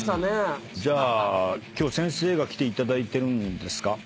じゃあ今日先生が来ていただいてるんですか？